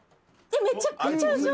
めちゃくちゃ上手。